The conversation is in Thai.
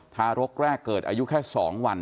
ทารกแรกเกิดอายุแค่๒วัน